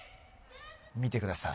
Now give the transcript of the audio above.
見てください